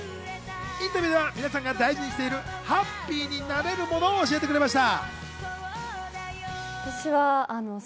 インタビューでは皆さんが大事にしているハッピーになれるものを教えてくれました。